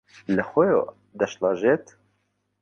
لەخۆیەوە دەشڵەژێت